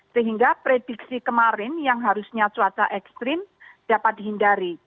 sehingga prediksi kemarin yang harusnya cuaca ekstrim dapat dihindari